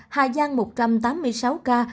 hà giang một trăm tám mươi sáu ca